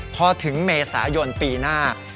พอถึงเมษายนปีหน้า